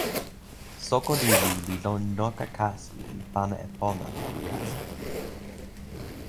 soko lili li lon noka kasi li pana e pona tawa kasi.